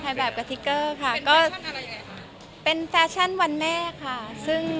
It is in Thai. นี่คุณคะเห็นถ่ายแบบกับน้อง